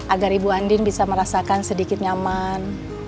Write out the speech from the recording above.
agar ibu andin bisa merasakan sedikit nyaman